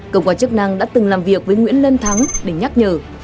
công quan chức năng đã từng làm việc với nguyễn lân thắng để nhắc nhờ